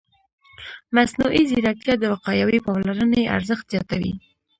مصنوعي ځیرکتیا د وقایوي پاملرنې ارزښت زیاتوي.